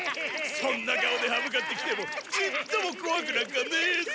そんな顔ではむかってきてもちっともこわくなんかねえぞ。